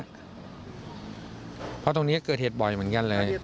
เพราะตรงนี้เกิดเหตุบ่อยเหมือนกันเลย